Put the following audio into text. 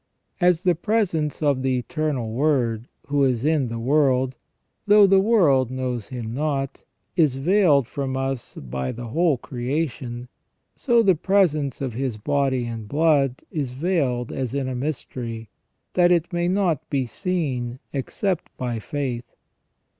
As the presence of the Eternal Word, who is in the world, though the world knows Him not, is veiled from us by the whole creation, so the presence of His body and blood is veiled as in a mystery, that it may not be seen except by faith.